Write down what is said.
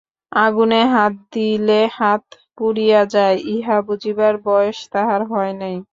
আগুনে হাত দিলে হাত পুড়িয়া যায়, ইহা বুঝিবার বয়স তাহার হয় নাই!